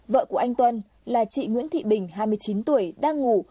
vợ của anh tuân là chị nguyễn thị bình hai mươi chín tuổi đang ngủ